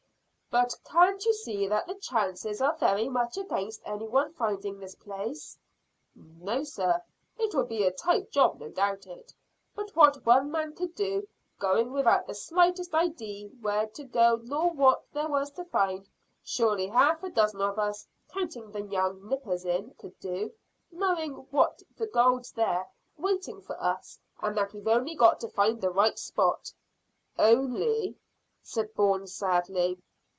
"But can't you see that the chances are very much against any one finding this place?" "No, sir. It'll be a tight job, no doubt; but what one man could do, going without the slightest idee where to go nor what there was to find, surely half a dozen of us, counting the young nippers in, could do, knowing that the gold's there waiting for us, and that we've only got to find the right spot." "Only!" said Bourne sadly.